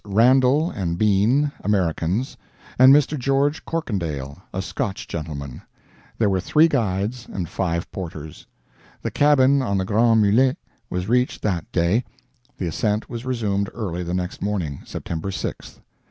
Randall and Bean, Americans, and Mr. George Corkindale, a Scotch gentleman; there were three guides and five porters. The cabin on the Grands Mulets was reached that day; the ascent was resumed early the next morning, September 6th.